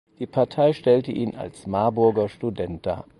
Die Partei stellte ihn als „Marburger Student“ dar.